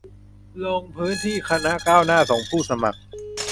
ลงพื้นที่ที่คณะก้าวหน้าส่งผู้สมัคร